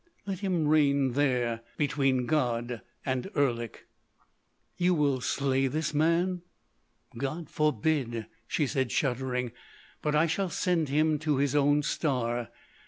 Let him reign there between God and Erlik." "You will slay this man?" "God forbid!" she said, shuddering. "But I shall send him to his own star.